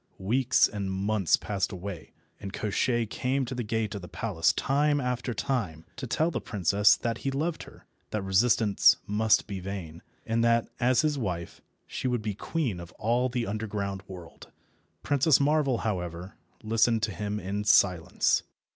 Weeks and months passed away and Koshchei came to the gate of the palace time after time to tell the princess that he loved her, that resistance must be vain, and that, as his wife, she should be queen of all the underground world. Princess Marvel, however, listened to him in silence.